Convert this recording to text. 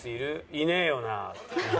いねえよなぁ！！？」